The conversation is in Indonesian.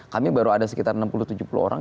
kami baru ada sekitar enam puluh tujuh puluh orang